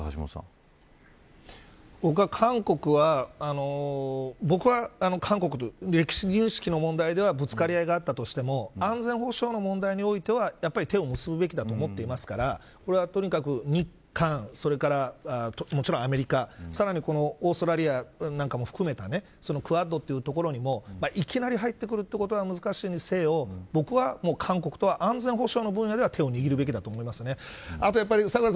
僕は韓国は韓国と歴史認識の問題ではぶつかり合いがあったとしても安全保障の問題においては手を結ぶべきだと思ってますからこれは、とにかく日韓それから、もちろんアメリカさらにオーストラリアなんかも含めたクアッドというところにもいきなり入ってくることは難しいにせよ僕は韓国とは安全保障の分野では手を握るべきだと思います。